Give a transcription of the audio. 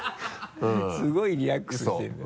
すごいリラックスしてるから。